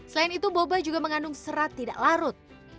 tentu boba juga mengandung serat tidak larut